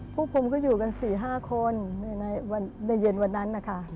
พวกผมก็อยู่กัน๔๕คนในเย็นวันนั้น